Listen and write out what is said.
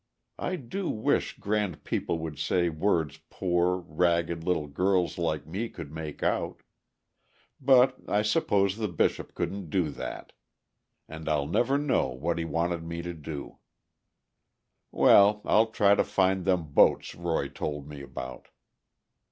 I do wish grand people would say words poor, ragged little girls like me could make out; but I suppose the Bishop couldn't do that. And I'll never know what he wanted me to do. Well! I'll try to find them boats Roy told me about."